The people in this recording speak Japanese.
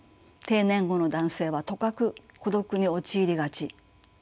定年後の男性はとかく孤独に陥りがち。